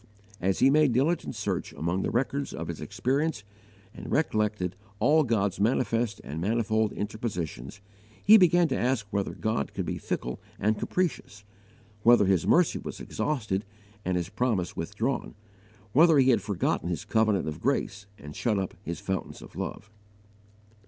As he made diligent search among the records of his experience and recollected all God's manifest and manifold interpositions, he began to ask whether God could be fickle and capricious, whether His mercy was exhausted and His promise withdrawn, whether He had forgotten His covenant of grace, and shut up His fountains of love.